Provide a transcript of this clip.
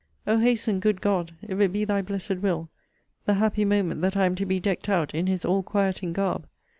O hasten, good God, if it be thy blessed will, the happy moment that I am to be decked out in his all quieting garb!